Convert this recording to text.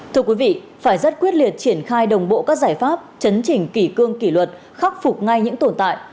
thưa quý vị phải rất quyết liệt triển khai đồng bộ các giải pháp chấn chỉnh kỷ cương kỷ luật khắc phục ngay những tồn tại